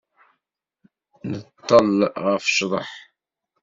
Nɛeṭṭel ɣef ccḍeḥ.